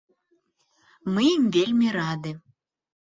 Мы ім вельмі рады.